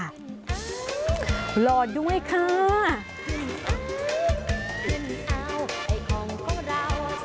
รอด้วยค่ะ